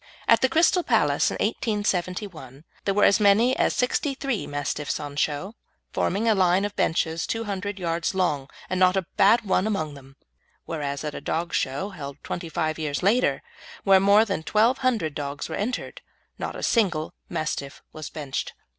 At the Crystal Palace in 1871 there were as many as sixty three Mastiffs on show, forming a line of benches two hundred yards long, and not a bad one among them; whereas at a dog show held twenty five years later, where more than twelve hundred dogs were entered, not a single Mastiff was benched.